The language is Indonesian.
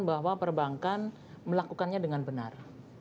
bahwa perbankan melakukannya dengan benar